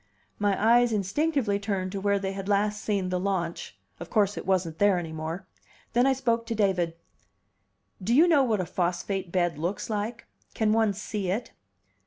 My eyes instinctively turned to where they had last seen the launch; of course it wasn't there any more. Then I spoke to David. "Do you know what a phosphate bed looks like? Can one see it?"